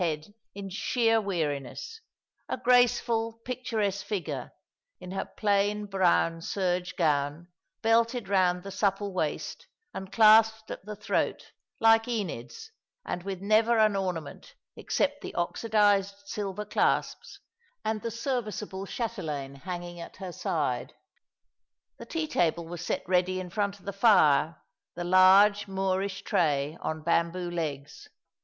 head in sheer weariness, a graceful, picturesque figure, in lier plain brown serge gown, belted round the supple waist, and clasped at the throat, like Enid's, and with never an ornament except the oxydized silver clasps, and the service able chatelaine hanging at her side. The tea table was set ready in front of the fire, the large Moorish tray on bamboo legs.